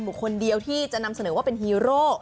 คนเดียวที่จะนำเสนอว่าเป็นฮีโร่